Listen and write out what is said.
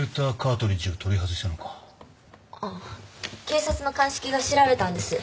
警察の鑑識が調べたんです。